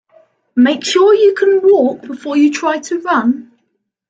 Make sure you can walk before you try to run.